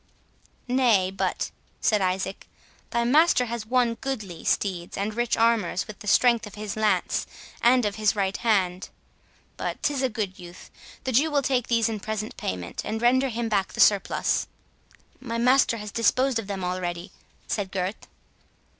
"Nay, but," said Isaac, "thy master has won goodly steeds and rich armours with the strength of his lance, and of his right hand—but 'tis a good youth—the Jew will take these in present payment, and render him back the surplus." "My master has disposed of them already," said Gurth.